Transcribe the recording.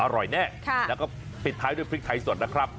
อร่อยแน่แล้วก็ปิดท้ายด้วยพริกไทยสดนะครับ